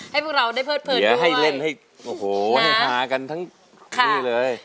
ให้พวกเราได้เพิดเพิดด้วยเดี๋ยวให้เล่นให้หากันทั้งนี้เลย